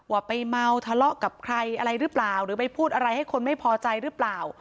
ว่าไปเมาทะเลาะกับใครอะไรหรือเปล่าหรือไปพูดอะไรให้คนไม่พอใจหรือเปล่า